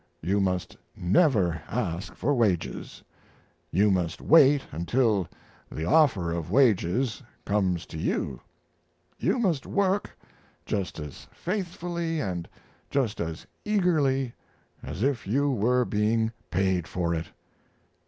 You must never ask for wages. You must wait until the offer of wages comes to you. You must work just as faithfully and just as eagerly as if you were being paid for it.